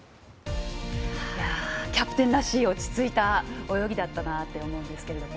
キャプテンらしい落ち着いた泳ぎだったなと思うんですけれども。